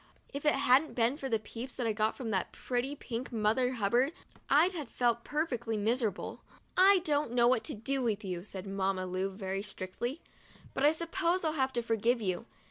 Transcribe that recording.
If it hadn't been for the peeps that I got at that pretty pink Mother Hubbard, I'd have felt perfectly miserable. " I don't know what to do with you," said Mamma Lu, very strictly; "but I suppose I'll have to forgive you.